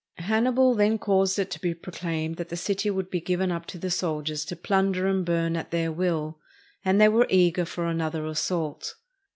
Hannibal then caused it to be proclaimed that the city would be given up to the soldiers to plunder and burn at their will; and they were eager for another assault.